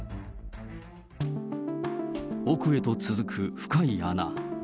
奥へと続く深い穴。